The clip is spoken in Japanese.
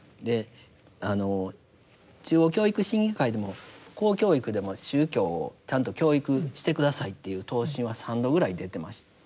中央教育審議会でも公教育でも宗教をちゃんと教育して下さいという答申は３度ぐらい出てました。